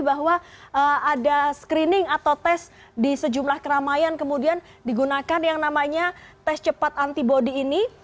bahwa ada screening atau tes di sejumlah keramaian kemudian digunakan yang namanya tes cepat antibody ini